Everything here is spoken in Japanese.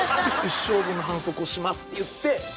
「一生分の反則をします」って言って。